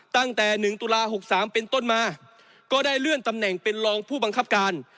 ตั้งแต่๑ตุลา๖๓เป็นต้นมาก็ได้เลื่อนตำแหน่งเป็นรองผู้บังคับการ